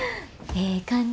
ええ感じ。